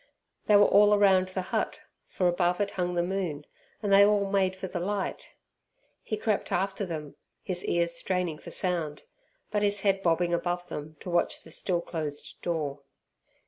They were all round the hut, for above it hung the moon, and they all made for the light. He crept after them, his ears straining for sound, but his head bobbing above them to watch the still closed door.